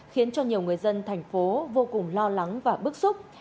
khiến cho nhiều người dân thành phố vô cùng lo lắng và bức xúc